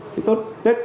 cái tốt tết